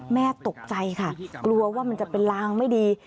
แม่ตกใจค่ะกลัวว่ามันจะเป็นลางไม่ดี